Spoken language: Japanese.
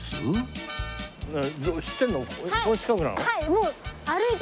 もう。